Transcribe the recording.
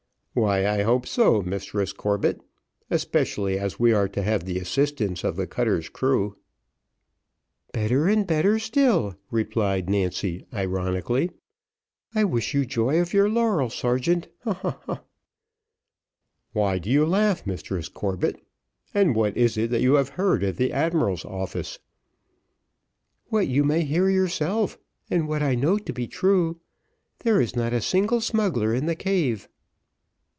"Why, I hope so, Mistress Corbett, especially as we are to have the assistance of the cutter's crew." "Better and better still," replied Nancy, ironically. "I wish you joy of your laurels, sergeant, ha, ha, ha." "Why do you laugh, Mistress Corbett, and what is that you have heard at the admiral's office?" "What you may hear yourself, and what I know to be true; there is not a single smuggler in the cave."